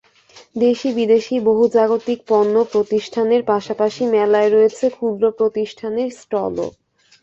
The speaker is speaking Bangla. দেশি বিদেশি বহুজাতিক পণ্য প্রতিষ্ঠানের পাশাপাশি মেলায় রয়েছে ক্ষুদ্র প্রতিষ্ঠানের স্টলও।